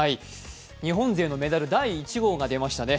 日本勢のメダル第１号が出ましたね。